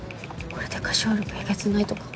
「これで歌唱力えげつないとか」